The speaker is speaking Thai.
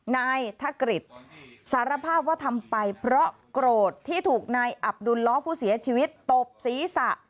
นายกฤษสารภาพว่าทำไปเพราะโกรธที่ถูกนายอับดุลล้อผู้เสียชีวิตตบศีรษะ